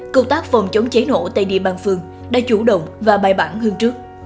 công tác phòng chống cháy nổ tại địa bàn phường đã chủ động và bài bản hơn trước